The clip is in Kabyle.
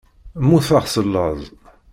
Mmuteɣ s laẓ.